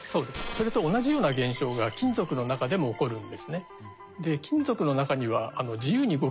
それと同じような現象が金属の中でも起こるんですね。